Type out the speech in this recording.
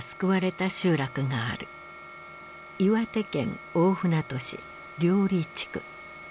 岩手県大船渡市綾里地区。